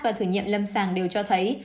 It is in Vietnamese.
và thử nghiệm lâm sàng đều cho thấy